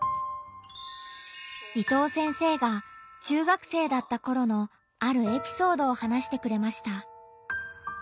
伊藤先生が中学生だったころのあるエピソードを話してくれました。